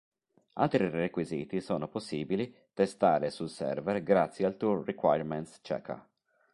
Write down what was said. Altri requisiti sono possibili testare sul server grazie al tool Requirements Checker.